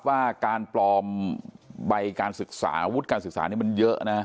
ว่าการปลอมใบการศึกษาอาวุธการศึกษานี่มันเยอะนะ